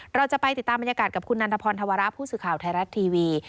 เราจะไปติดตามบรรยากาศกับคุณนันทพรธวระผู้สื่อข่าวไทยรัฐทีวี